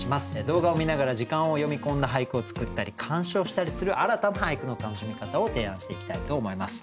動画を観ながら時間を詠み込んだ俳句を作ったり鑑賞したりする新たな俳句の楽しみ方を提案していきたいと思います。